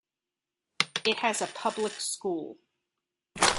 It has a public school.